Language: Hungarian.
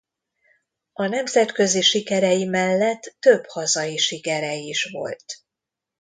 A nemzetközi sikerei mellett több hazai sikere is volt.